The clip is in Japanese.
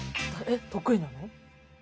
えっ得意なの？